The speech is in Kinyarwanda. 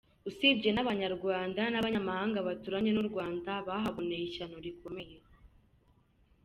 Usibye n’Abanyarwanda, n’Abanyamahanga baturanye n’u Rwanda bahaboneye ishyano rikomeye.